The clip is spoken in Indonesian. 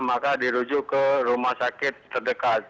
maka dirujuk ke rumah sakit terdekat